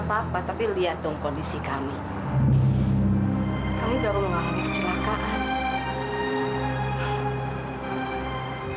apa apa tapi lihat dong kondisi kami kami baru mengalami kecelakaan